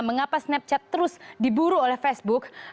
mengapa snapchat terus diburu oleh facebook